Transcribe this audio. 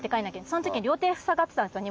その時に両手塞がってたんですよ